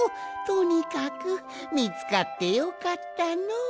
とにかくみつかってよかったのう。